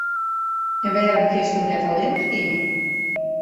En wêrom kinsto net allinnich gean?